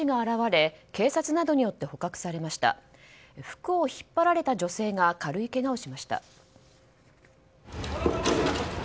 服を引っ張られた女性が軽いけがをしました。